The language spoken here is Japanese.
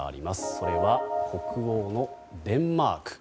それは北欧のデンマーク。